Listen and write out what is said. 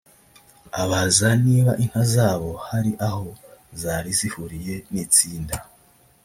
abaza niba inka zabo hari aho zari zihuriye n’itsinda